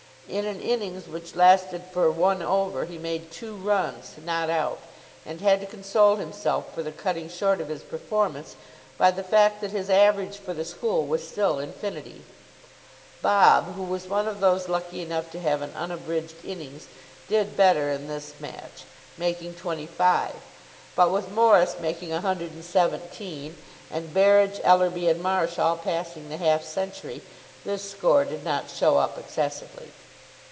In an innings which lasted for one over he made two runs, not out; and had to console himself for the cutting short of his performance by the fact that his average for the school was still infinity. Bob, who was one of those lucky enough to have an unabridged innings, did better in this match, making twenty five. But with Morris making a hundred and seventeen, and Berridge, Ellerby, and Marsh all passing the half century, this score did not show up excessively.